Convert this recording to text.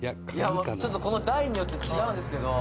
「ちょっとこの台によって違うんですけど」